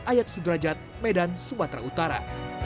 ayat sudrajat medan sumatera utara